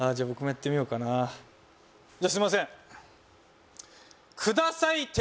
僕もやってみようかなじゃすいませんください